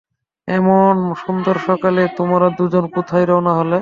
এমন সুন্দর সকালে তোমরা দুজন কোথায় রওনা হলে?